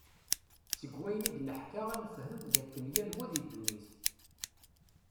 Seg wayen id-neḥka ad nefhem, d akken yal wa di ddunit.